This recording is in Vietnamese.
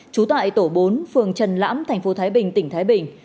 trú tại tổ bốn phường trần lãm thành phố thái bình tỉnh thái bình